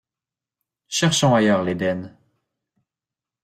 Cherchons ailleurs l’éden.